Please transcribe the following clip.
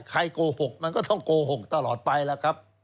โกหกมันก็ต้องโกหกตลอดไปแล้วครับ